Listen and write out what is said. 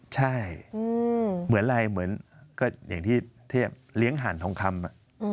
ใช่เหมือนอะไรเหมือนที่เรียงห่านทองคำ